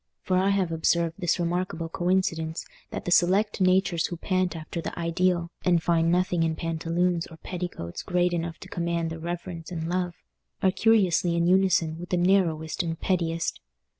For I have observed this remarkable coincidence, that the select natures who pant after the ideal, and find nothing in pantaloons or petticoats great enough to command their reverence and love, are curiously in unison with the narrowest and pettiest.